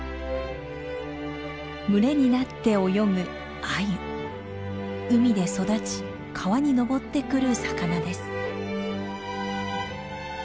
群れになって泳ぐ海で育ち川に上ってくる魚です。